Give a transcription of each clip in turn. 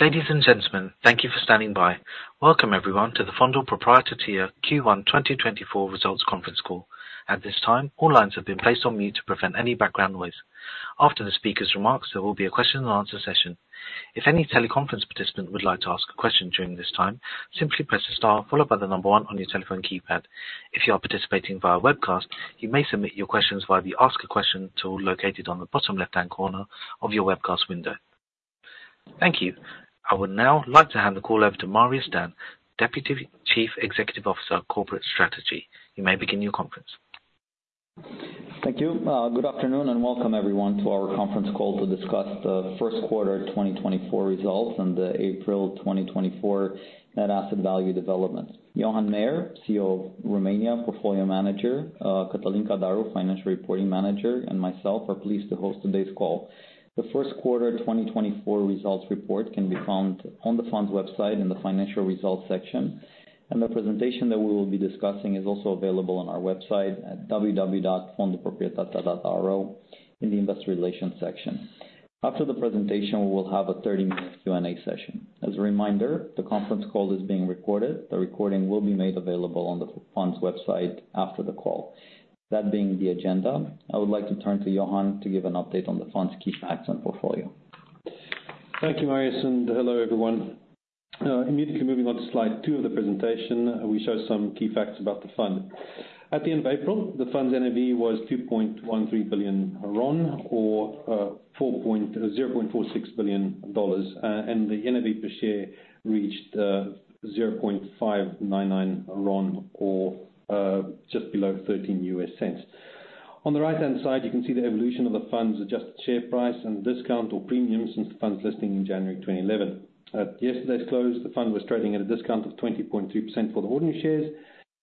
Ladies and gentlemen, thank you for standing by. Welcome, everyone, to the Fondul Proprietatea Q1 2024 results conference call. At this time, all lines have been placed on mute to prevent any background noise. After the speaker's remarks, there will be a question-and-answer session. If any teleconference participant would like to ask a question during this time, simply press the star followed by the number 1 on your telephone keypad. If you are participating via webcast, you may submit your questions via the Ask a Question tool located on the bottom left-hand corner of your webcast window. Thank you. I would now like to hand the call over to Marius Dan, Deputy Chief Executive Officer, Corporate Strategy. You may begin your conference. Thank you. Good afternoon and welcome, everyone, to our conference call to discuss the first quarter 2024 results and the April 2024 net asset value developments. Johan Meyer, CEO of Romania, portfolio manager, Cătălin Cădaru, financial reporting manager, and myself are pleased to host today's call. The first quarter 2024 results report can be found on the fund's website in the Financial Results section, and the presentation that we will be discussing is also available on our website at www.fondulproprietatea.ro in the Investor Relations section. After the presentation, we will have a 30-minute Q&A session. As a reminder, the conference call is being recorded. The recording will be made available on the fund's website after the call. That being the agenda, I would like to turn to Johan to give an update on the fund's key facts and portfolio. Thank you, Marius, and hello, everyone. Immediately moving on to slide 2 of the presentation, we show some key facts about the fund. At the end of April, the fund's NAV was RON 2.13 billion, or $0.46 billion, and the NAV per share reached RON 0.599, or just below $0.13. On the right-hand side, you can see the evolution of the fund's adjusted share price and discount, or premium, since the fund's listing in January 2011. At yesterday's close, the fund was trading at a discount of 20.3% for the ordinary shares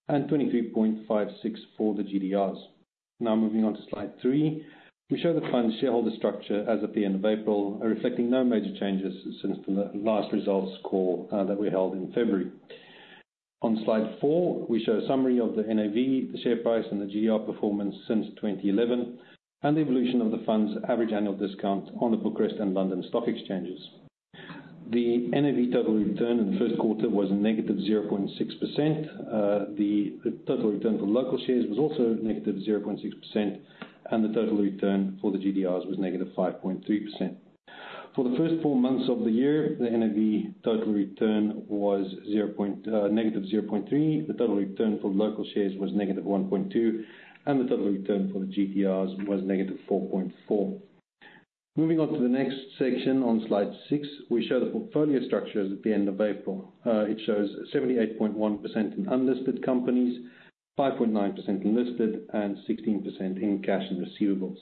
and 23.56% for the GDRs. Now moving on to slide three, we show the fund's shareholder structure as at the end of April, reflecting no major changes since the last results call that we held in February. On slide four, we show a summary of the NAV, the share price, and the GDR performance since 2011, and the evolution of the fund's average annual discount on the Bucharest and London stock exchanges. The NAV total return in the first quarter was -0.6%. The total return for local shares was also -0.6%, and the total return for the GDRs was -5.3%. For the first four months of the year, the NAV total return was -0.3%. The total return for local shares was -1.2%, and the total return for the GDRs was -4.4%. Moving on to the next section, on slide six, we show the portfolio structure as at the end of April. It shows 78.1% in unlisted companies, 5.9% in listed, and 16% in cash and receivables.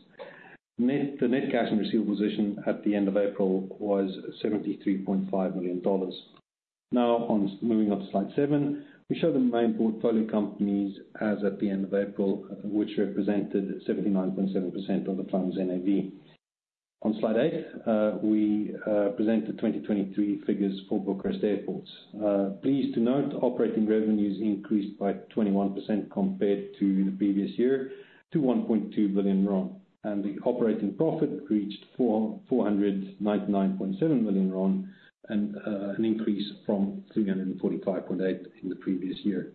The net cash and receivable position at the end of April was $73.5 million. Now moving on to slide seven, we show the main portfolio companies as at the end of April, which represented 79.7% of the fund's NAV. On slide eight, we present the 2023 figures for Bucharest Airports. Please note, operating revenues increased by 21% compared to the previous year to RON 1.2 billion, and the operating profit reached RON 499.7 million, an increase from 345.8 million RON in the previous year.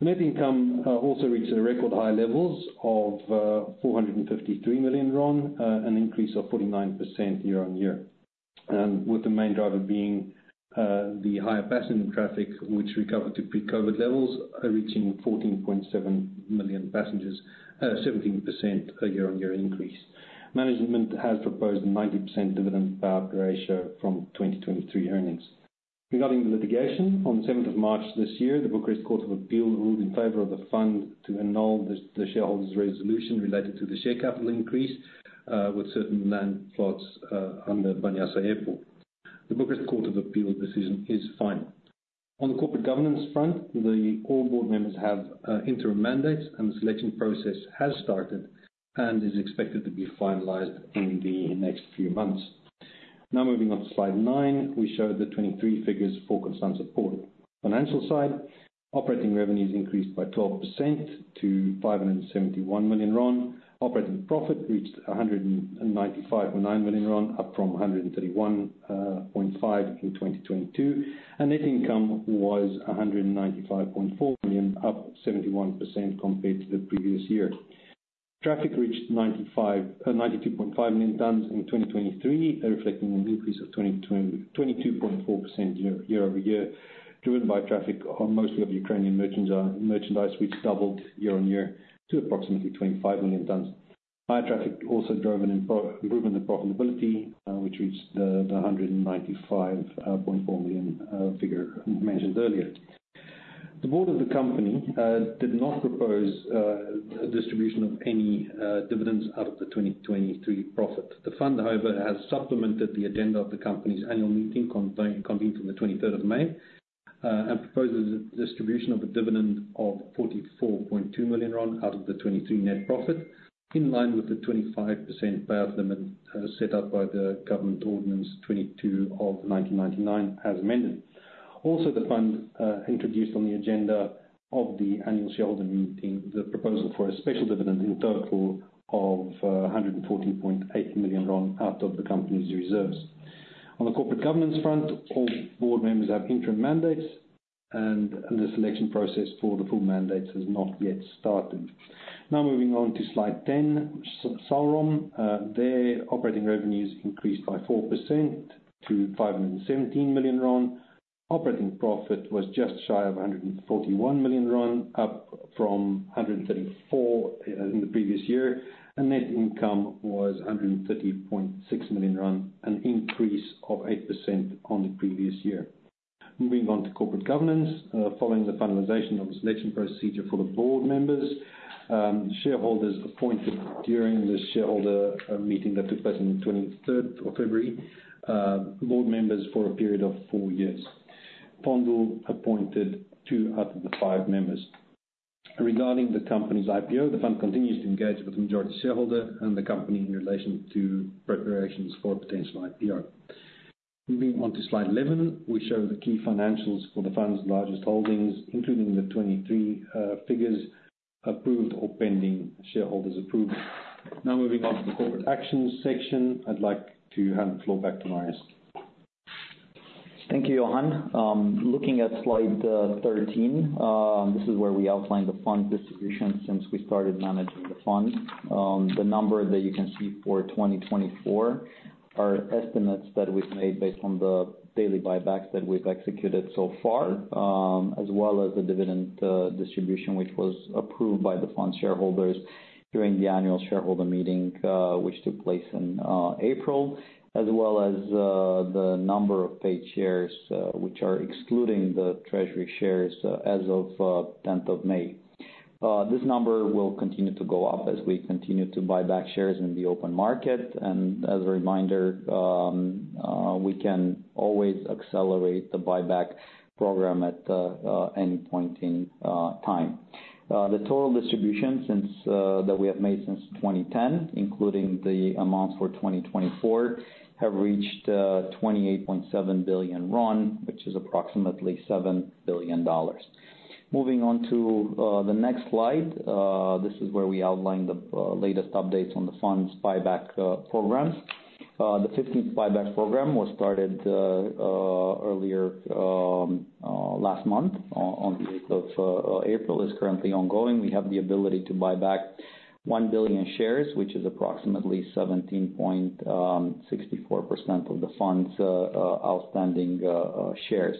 The net income also reached record high levels of RON 453 million, an increase of 49% year-on-year, with the main driver being the higher passenger traffic, which recovered to pre-COVID levels, reaching 14.7 million passengers, a 17% year-on-year increase. Management has proposed a 90% dividend-to-payout ratio from 2023 earnings. Regarding the litigation, on the 7th of March this year, the Bucharest Court of Appeal ruled in favor of the fund to annul the shareholders' resolution related to the share capital increase with certain land plots under Băneasa Airport. The Bucharest Court of Appeal decision is final. On the corporate governance front, all board members have interim mandates, and the selection process has started and is expected to be finalized in the next few months. Now moving on to slide nine, we show the 2023 figures for Constanța Port. Financial side, operating revenues increased by 12% to RON 571 million. Operating profit reached RON 195.9 million, up from 131.5 in 2022, and net income was RON 195.4 million, up 71% compared to the previous year. Traffic reached 92.5 million tons in 2023, reflecting an increase of 22.4% year-over-year, driven by traffic mostly of Ukrainian merchandise, which doubled year-over-year to approximately 25 million tons. Higher traffic also drove an improvement in profitability, which reached the RON 195.4 million figure mentioned earlier. The board of the company did not propose a distribution of any dividends out of the 2023 profit. The fund, however, has supplemented the agenda of the company's annual meeting convened on the 23rd of May and proposes a distribution of a dividend of RON 44.2 million out of the 2023 net profit, in line with the 25% payout limit set out by the Government Ordinance 22 of 1999 as amended. Also, the fund introduced on the agenda of the annual shareholder meeting the proposal for a special dividend in total of RON 114.8 million out of the company's reserves. On the corporate governance front, all board members have interim mandates, and the selection process for the full mandates has not yet started. Now moving on to slide 10, SALROM. Their operating revenues increased by 4% to RON 517 million. Operating profit was just shy of RON 141 million, up from 134 million RON in the previous year, and net income was RON 130.6 million, an increase of 8% on the previous year. Moving on to corporate governance, following the finalization of the selection procedure for the board members, shareholders appointed during the shareholder meeting that took place on the 23rd of February, board members for a period of four years. Fondul appointed two out of the five members. Regarding the company's IPO, the fund continues to engage with the majority shareholder and the company in relation to preparations for potential IPO. Moving on to slide 11, we show the key financials for the fund's largest holdings, including the 23 figures approved or pending shareholders approved. Now moving on to the corporate actions section, I'd like to hand the floor back to Marius. Thank you, Johan. Looking at slide 13, this is where we outline the fund distribution since we started managing the fund. The number that you can see for 2024 are estimates that we've made based on the daily buybacks that we've executed so far, as well as the dividend distribution which was approved by the fund's shareholders during the annual shareholder meeting, which took place in April, as well as the number of paid shares, which are excluding the treasury shares as of 10th of May. This number will continue to go up as we continue to buy back shares in the open market, and as a reminder, we can always accelerate the buyback program at any point in time. The total distributions that we have made since 2010, including the amounts for 2024, have reached RON 28.7 billion, which is approximately $7 billion. Moving on to the next slide, this is where we outline the latest updates on the fund's buyback programs. The 15th buyback program was started earlier last month on the 8th of April, is currently ongoing. We have the ability to buy back 1 billion shares, which is approximately 17.64% of the fund's outstanding shares.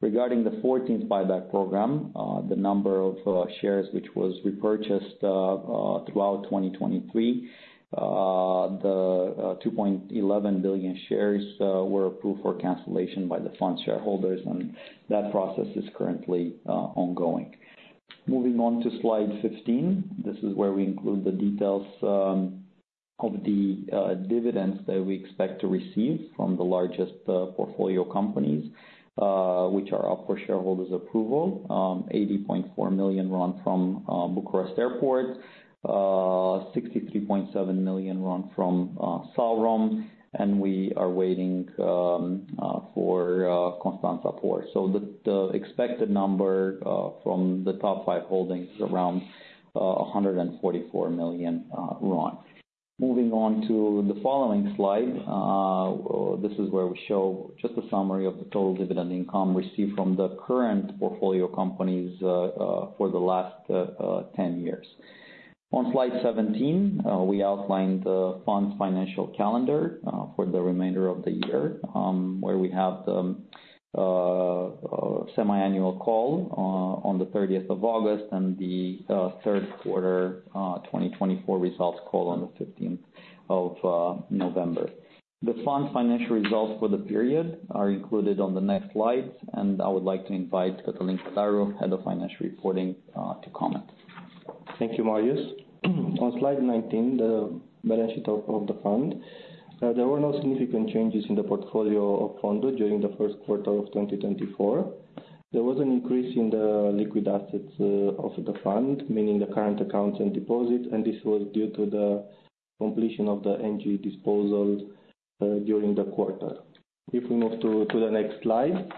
Regarding the 14th buyback program, the number of shares which was repurchased throughout 2023, the 2.11 billion shares were approved for cancellation by the fund's shareholders, and that process is currently ongoing. Moving on to slide 15, this is where we include the details of the dividends that we expect to receive from the largest portfolio companies, which are up for shareholders' approval: RON 80.4 million from Bucharest Airport, RON 63.7 million from SALROM, and we are waiting for Constanța Port. So the expected number from the top five holdings is around RON 144 million. Moving on to the following slide, this is where we show just a summary of the total dividend income received from the current portfolio companies for the last 10 years. On slide 17, we outline the fund's financial calendar for the remainder of the year, where we have the semi-annual call on the 30th of August and the third quarter 2024 results call on the 15th of November. The fund's financial results for the period are included on the next slides, and I would like to invite Cătălin Cădaru, Head of Financial Reporting, to comment. Thank you, Marius. On slide 19, the balance sheet of the fund, there were no significant changes in the portfolio of Fondul during the first quarter of 2024. There was an increase in the liquid assets of the fund, meaning the current accounts and deposits, and this was due to the completion of the Engie disposal during the quarter. If we move to the next slide,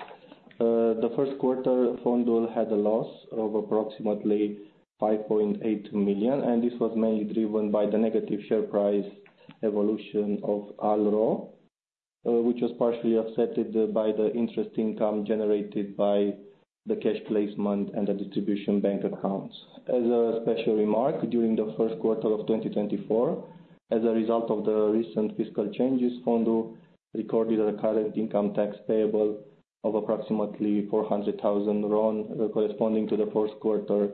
the first quarter, Fondul had a loss of approximately RON 5.8 million, and this was mainly driven by the negative share price evolution of ALRO, which was partially offset by the interest income generated by the cash placement and the distribution bank accounts. As a special remark, during the first quarter of 2024, as a result of the recent fiscal changes, Fondul recorded a current income tax payable of approximately RON 400,000, corresponding to the first quarter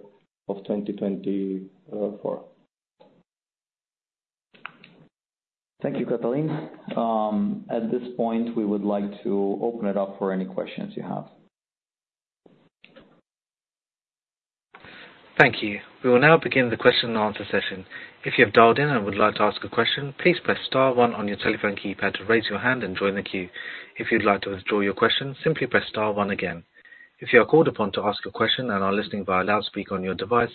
of 2024. Thank you, Cătălin. At this point, we would like to open it up for any questions you have. Thank you. We will now begin the question and answer session. If you have dialed in and would like to ask a question, please press star 1 on your telephone keypad to raise your hand and join the queue. If you'd like to withdraw your question, simply press star 1 again. If you are called upon to ask a question and are listening via loudspeaker on your device,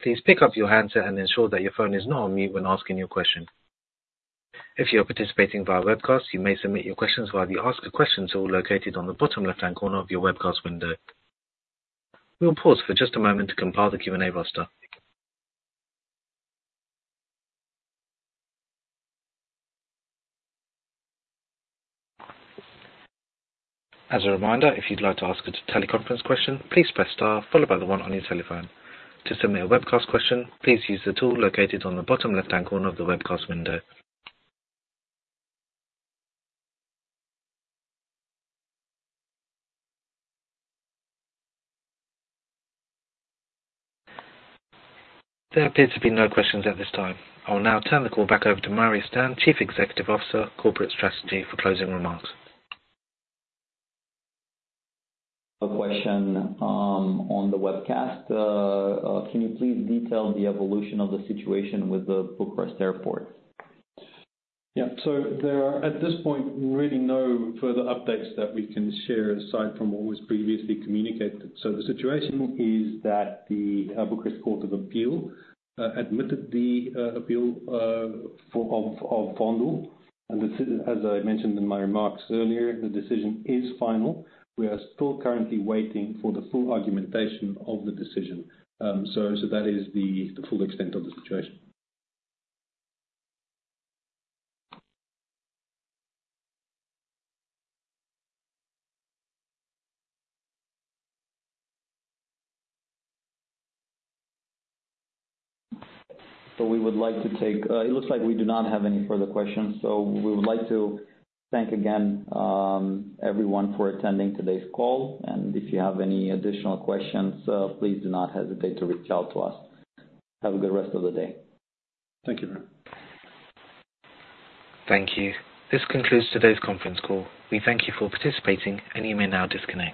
please pick up your handset and ensure that your phone is not on mute when asking your question. If you are participating via webcast, you may submit your questions via the Ask a Question tool located on the bottom left-hand corner of your webcast window. We'll pause for just a moment to compile the Q&A roster. As a reminder, if you'd like to ask a teleconference question, please press star, followed by the 1 on your telephone. To submit a webcast question, please use the tool located on the bottom left-hand corner of the webcast window. There appear to be no questions at this time. I will now turn the call back over to Marius Dan, Chief Executive Officer, Corporate Strategy, for closing remarks. A question on the webcast. Can you please detail the evolution of the situation with the Bucharest Airport? Yeah. So there are, at this point, really no further updates that we can share aside from what was previously communicated. So the situation is that the Bucharest Court of Appeal admitted the appeal of Fondul, and as I mentioned in my remarks earlier, the decision is final. We are still currently waiting for the full argumentation of the decision. So that is the full extent of the situation. So, it looks like we do not have any further questions, so we would like to thank again everyone for attending today's call, and if you have any additional questions, please do not hesitate to reach out to us. Have a good rest of the day. Thank you, Dan. Thank you. This concludes today's conference call. We thank you for participating, and you may now disconnect.